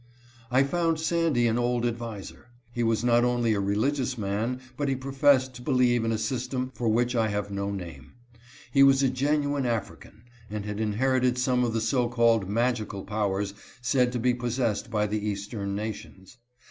I found Sandy an old adviser. He was not only a religious man, but he professed to believe in a system for which I have no name. He was a genuine African, and liad inherited some of the so called magical powers said to be possessed by the eastern nations.